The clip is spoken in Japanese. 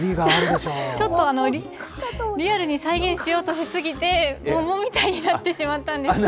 ちょっとリアルに再現しようとし過ぎて、桃みたいになってしまったんですけど。